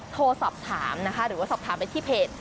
โทรศัพท์ถามนะคะหรือว่าศัพท์ถามไปที่เพจ